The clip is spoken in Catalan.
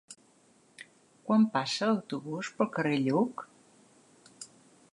Quan passa l'autobús pel carrer Lluc?